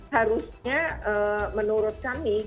harusnya menurut kami